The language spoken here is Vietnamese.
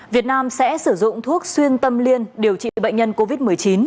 việt nam sẽ sử dụng thuốc xuyên tâm liên điều trị bệnh nhân covid một mươi chín